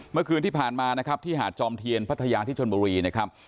เมื่อคืนที่ผ่านมานะครับที่หาดจอมเทียนพัทยาที่ชนบุรีนะครับ